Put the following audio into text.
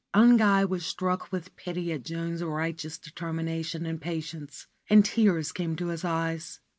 Ungai was struck with pity at Joan's righteous determination and patience, and tears came to his eyes.